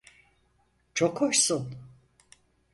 Çok hoşsun.